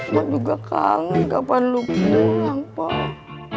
mak juga kangen kapan lu pulang pak